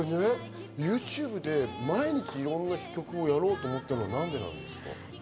ＹｏｕＴｕｂｅｒで毎日いろんな曲をやろうと思ったのは何でなんですか？